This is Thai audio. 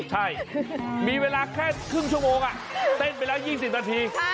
ใช่มีเวลาแค่ครึ่งชั่วโมงเต้นไปแล้ว๒๐นาที